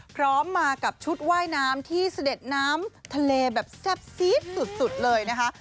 พร้อมมากับชุดว่ายน้ำที่เสด็จน้ำทะเลแบบแซ่บซีดสุดเลยนะคะ